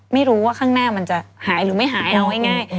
ไม่รู้ว่าข้างหน้ามันจะหายหรือไม่หายเอาง่าย